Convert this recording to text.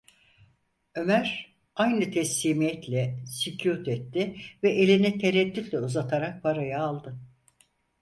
Ömer, aynı teslimiyet ile sükût etti ve elini tereddütle uzatarak parayı aldı.